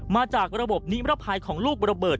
มาจากระบบนิมรภัยของลูกระเบิด